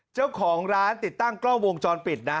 เจ้าของร้านติดตั้งกล้องวงจรปิดนะ